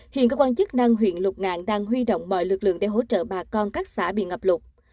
hiện cơ quan chức năng huyện lục ngạn đang huy động mọi lực lượng để hỗ trợ bà con các xã bị ngập lụt